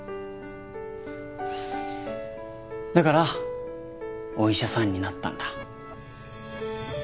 だからお医者さんになったんだ。